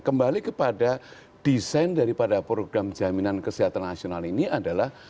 kembali kepada desain daripada program jaminan kesehatan nasional ini adalah